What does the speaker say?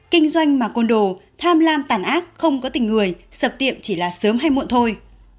kinh doanh mà côn đồ tham lam tàn ác không có tình người sập tiệm chỉ là sớm hay muộn thôi